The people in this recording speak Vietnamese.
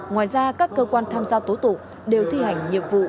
ngoài ra các cơ quan tham gia tố tụng đều thi hành nhiệm vụ